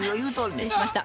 失礼しました。